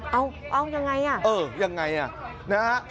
เอ้ายังไงอ่ะอย่างไรอ่ะนะครับ